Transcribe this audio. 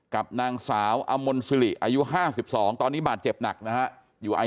กับนางสาวอมลสิริอายุ๕๒ตอนนี้บาดเจ็บหนักนะฮะอยู่อายุ